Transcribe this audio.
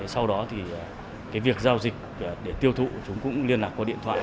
sau đó việc giao dịch để tiêu thụ chúng cũng liên lạc qua điện thoại